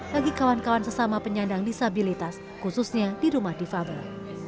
bagi kawan kawan sesama penyandang disabilitas khususnya di rumah difabel